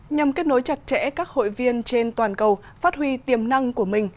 nhằm kết nối chặt chẽ các hội viên trên toàn cầu phát huy tiềm năng của mình